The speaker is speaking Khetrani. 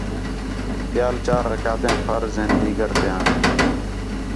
ٻِیال چار رکعتیان فرض ہِن دِیگر تیاں